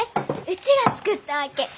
うちが作ったわけ。